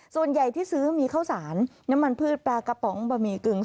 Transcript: ส่วนใหญ่ที่ซื้อมีข้าวสารน้ำมันพืชปลากระป๋องบะหมี่กึ่ง